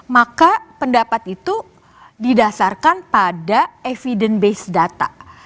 maka pendapat itu didasarkan pada evidence base data